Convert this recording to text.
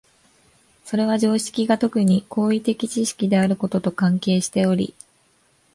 それは常識が特に行為的知識であることと関係しており、